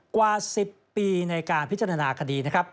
กว่า๑๐ปีในการพิจารณาคดีนะครับ